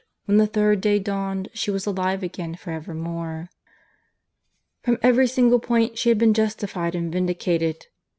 when the Third Day dawned she was alive again for evermore. From every single point she had been justified and vindicated.